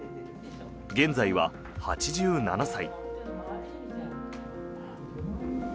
現在は８７歳。